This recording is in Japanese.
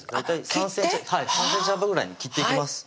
３ｃｍ幅ぐらいに切っていきます